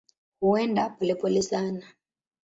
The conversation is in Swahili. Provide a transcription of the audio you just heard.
Huenda polepole sana.